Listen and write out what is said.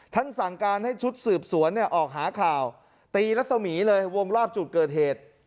สั่งการให้ชุดสืบสวนเนี่ยออกหาข่าวตีรัศมีเลยวงรอบจุดเกิดเหตุ